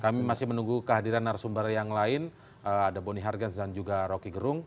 kami masih menunggu kehadiran narasumber yang lain ada boni hargens dan juga rocky gerung